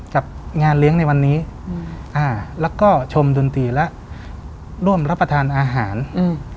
กับงานเลี้ยงในวันนี้อืมอ่าแล้วก็ชมดนตรีและร่วมรับประทานอาหารอืม